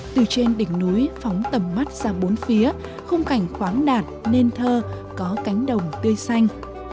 từ trên đỉnh núi phóng tầm mắt ra bốn phía khung cảnh khoáng đạt nền thơ có cánh đồng tươi xanh